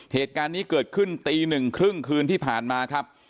เหตุการณ์นี้เกิดขึ้นตีหนึ่งครึ่งคืนที่ผ่านมาครับ